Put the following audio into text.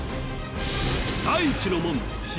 第一の門東